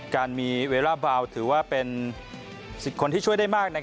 การมีเวล่าบาวถือว่าเป็น๑๐คนที่ช่วยได้มาก